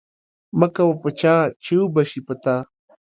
مه کوه په چا، چی وبه شي په تا